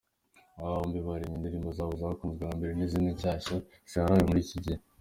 Aba bombi baririmbye indirimbo zabo zakunzwe hambere n’izindi nshyashya ziharawe muri iki gihe.